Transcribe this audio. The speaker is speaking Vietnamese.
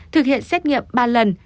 thực hiện xét nghiệm ba lần